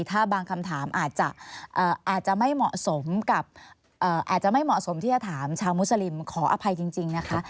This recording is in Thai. ถ้าบางคำถามอาจจะไม่เหมาะสมที่จะถามชาวมุสลิมขออภัยจริงนะคะ